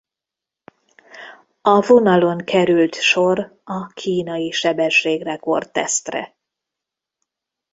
A vonalon került sor a kínai sebességrekord-tesztre.